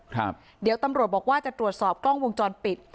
ครับเดี๋ยวตำรวจบอกว่าจะตรวจสอบกล้องวงจรปิด